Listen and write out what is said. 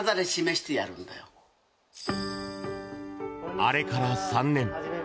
あれから３年。